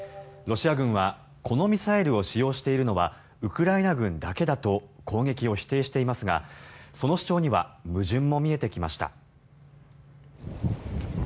ロシア軍はこのミサイルを使用しているのはウクライナ軍だけだと攻撃を否定していますがその主張には矛盾も見えてきました。